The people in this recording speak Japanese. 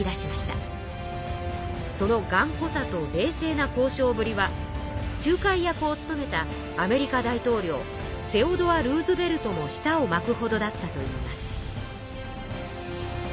そのがんこさと冷静な交渉ぶりは仲介役を務めたアメリカ大統領セオドア・ルーズベルトも舌をまくほどだったといいます。